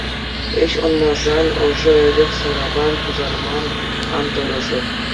Ӗҫ ӑнмасан ӑша эрех-сӑрапа пусарма ан тӑрӑшӑр.